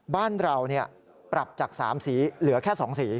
บ้านเราปรับจาก๓สีเหลือแค่๒สี